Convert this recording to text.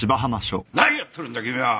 何やっとるんだ君は！